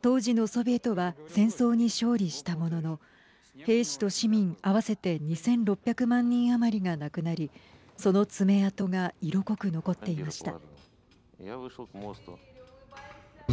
当時のソビエトは戦争に勝利したものの兵士と市民合わせて２６００万人余りが亡くなりその爪痕が色濃く残っていました。